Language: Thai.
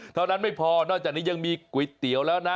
เท่านั้นไม่พอนอกจากนี้ยังมีก๋วยเตี๋ยวแล้วนะ